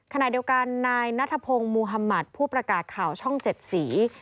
ขณะเดียวกันนายนัทพงศ์มุธมัติผู้ประกาศข่าวช่องเจ็ดสี